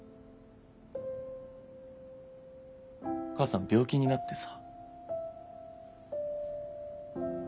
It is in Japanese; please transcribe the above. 母さん病気になってさ。